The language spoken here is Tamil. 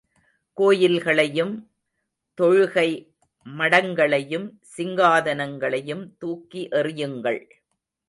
கோயில்களையும், தொழுகை மடங்களையும், சிங்காதனங்களையும் தூக்கி எறியுங்கள்.